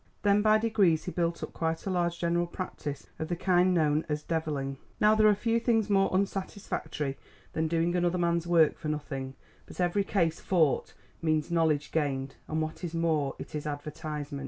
Then by degrees he built up quite a large general practice of the kind known as deviling. Now there are few things more unsatisfactory than doing another man's work for nothing, but every case fought means knowledge gained, and what is more it is advertisement.